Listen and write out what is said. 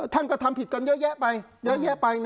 ท่านก็ทำผิดกันเยอะแยะไป